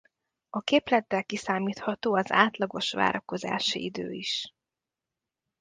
A képlettel kiszámítható az átlagos várakozási idő is.